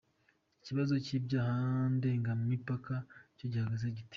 Ikibazo cy’ibyaha ndengamipaka cyo gihagaze gite?.